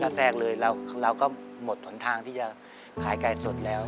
ใช่จะแซกเลยแล้วเราก็หมดหนทางที่จะขายไก่สดแล้ว